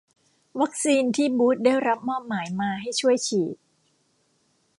วัคซีนที่บูตส์ได้รับมอบหมายมาให้ช่วยฉีด